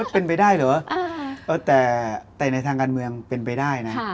เป็นไปได้เหรอแต่ในทางการเมืองเป็นไปได้นะ